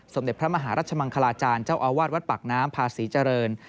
สมเด็จพระมหารัชมังคลาจารย์เจ้าอาวาสวัดปากน้ำพาศรีเจริญ